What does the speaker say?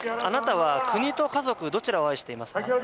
あなたは国と家族どちらを愛していますか？